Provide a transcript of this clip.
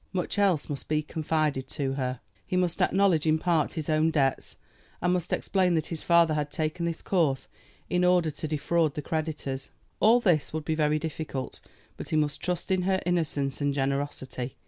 Much else must be confided to her. He must acknowledge in part his own debts, and must explain that his father had taken this course in order to defraud the creditors. All this would be very difficult; but he must trust in her innocence and generosity.